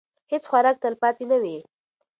هیڅ خوراک تلپاتې نه وي.